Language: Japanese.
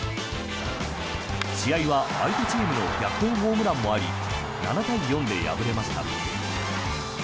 試合は、相手チームの逆転ホームランもあり７対４で敗れました。